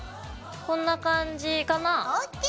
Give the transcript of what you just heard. こんな感じかな？